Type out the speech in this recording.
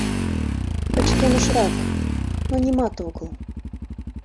Пычкемышрак, но нимат огыл.